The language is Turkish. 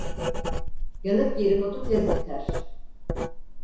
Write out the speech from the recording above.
Yanık yerin otu tez biter.